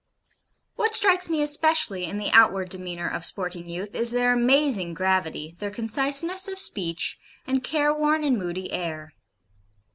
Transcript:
What strikes me especially in the outward demeanour of sporting youth is their amazing gravity, their conciseness of speech, and careworn and moody air.